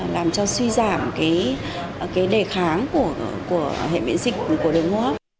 làm cho suy giảm cái đề kháng của hệ biện dịch của đường hô hấp